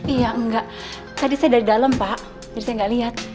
iya enggak tadi saya dari dalem pak jadi saya gak liat